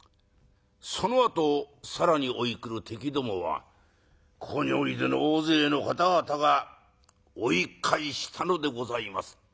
そのあと更に追い来る敵どもはここにおいでの大勢の方々が追い返したのでございます。